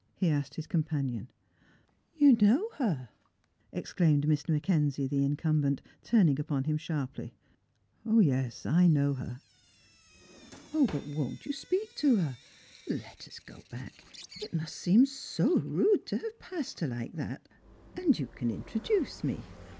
he asked his com panion. " You know her !exclaimed Mr. Mackenzie, the incumbent, turning upon him sharply. " Yes, 1 know her." " But won't you speak to her P Let us go back. It must seem so rude to have passed her like that. And you can intro iluce me.